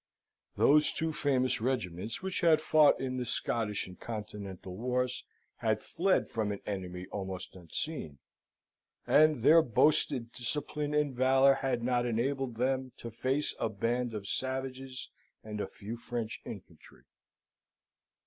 Those two famous regiments which had fought in the Scottish and Continental wars, had fled from an enemy almost unseen, and their boasted discipline and valour had not enabled them to face a band of savages and a few French infantry.